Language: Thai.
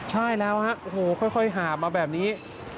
ใช่แล้วฮะโอ้โหค่อยหาบมาแบบนี้